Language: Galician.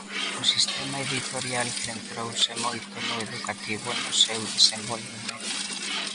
O sistema editorial centrouse moito no educativo no seu desenvolvemento.